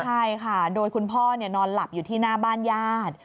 ใช่ค่ะโดยคุณพ่อนอนหลับอยู่ที่หน้าบ้านญาติ